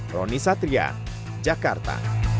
roni satria jakarta